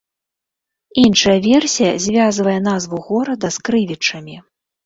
Іншая версія звязвае назву горада з крывічамі.